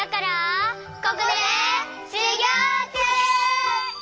ここでしゅぎょうちゅう！